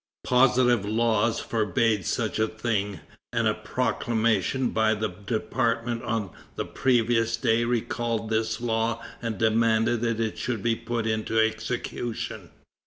Positive laws forbade such a thing, and a proclamation made by the department on the previous day recalled this law and demanded that it should be put into execution.